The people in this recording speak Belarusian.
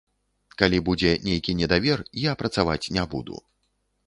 Калі будзе нейкі недавер, я працаваць не буду.